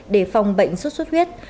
để phòng bệnh sốt xuất huyết